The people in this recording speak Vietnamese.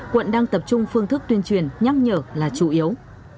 quận đang tập trung phương thức tuyên truyền nhắc nhở là chủ yếu